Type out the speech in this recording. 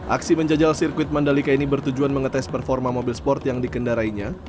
aksi menjajal sirkuit mandalika ini bertujuan mengetes performa mobil sport yang dikendarainya